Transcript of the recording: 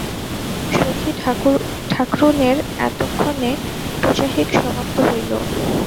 সখী ঠাকরুনের এতক্ষণে পুজাহিক সমাপ্ত হইল।